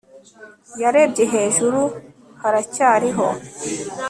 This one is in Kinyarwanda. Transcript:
Yarebye hejuru haracyariho